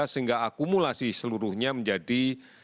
sehingga akumulasi seluruhnya menjadi tiga belas tujuh ratus tujuh puluh enam